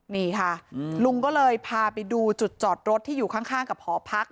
นี่ค่ะลุงก็เลยพาไปดูจุดจอดรถที่อยู่ข้างกับหอพัก